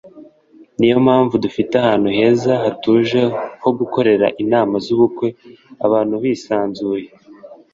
ni yo mpamvu dufite ahantu heza hatuje ho gukorera inama z’ubukwe abantu bisanzuye